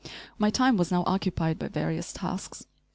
My time was now occupied by various tasks.